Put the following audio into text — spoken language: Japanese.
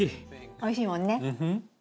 おいしいもんね。